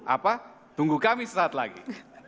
apa tunggu kami sesaat lagi